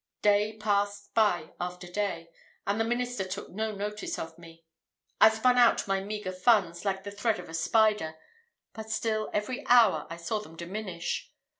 Day passed by after day, and the minister took no notice of me. I spun out my meagre funds, like the thread of a spider; but still every hour I saw them diminish.